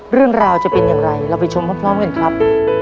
เรื่องราวจะเป็นอย่างไรเราไปชมพร้อมกันครับ